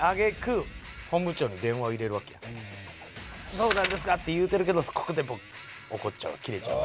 「どうなんですか？」って言うてるけどここでもう怒っちゃうキレちゃう。